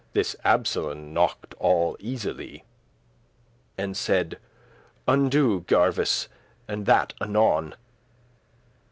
This Absolon knocked all easily, And said; "Undo, Gerveis, and that anon."